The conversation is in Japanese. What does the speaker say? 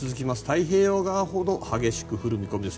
太平洋側ほど激しく降る見込みです。